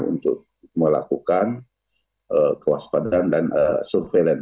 untuk melakukan kewaspadaan dan surveillance